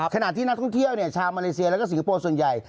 ขนาดที่งานท่องเที่ยวชาวมเมริเซียแล้วก็สิรพบรส่วนใหญ่